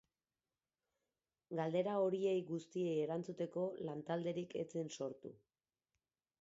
Galdera horiei guztiei erantzuteko lantalderik ez zen sortu.